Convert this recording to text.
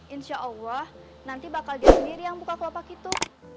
insya allah nanti bakal dia sendiri yang buka kelopak itu